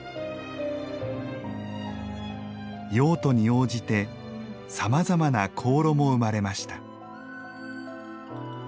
用途に応じてさまざまな香炉も生まれました。